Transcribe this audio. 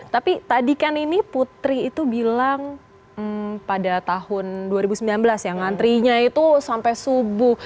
tapi tadi kan ini putri itu bilang pada tahun dua ribu sembilan belas ya ngantrinya itu sampai subuh